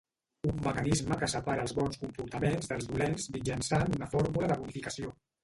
Un mecanisme que separa els bons comportaments dels dolents mitjançant una fórmula de bonificació.